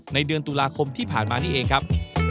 เดือนตุลาคมที่ผ่านมานี่เองครับ